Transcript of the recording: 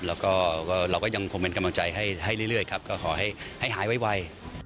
แต่ก็คงเป็นกำลังใจให้เรื่อยครับก็ขอให้หายไว